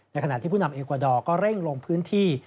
ขณะที่ผู้นำเอกวาดอร์ก็เร่งลงพื้นที่